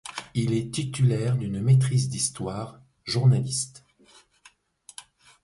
Il est titulaire d'une maîtrise d'histoire, journaliste.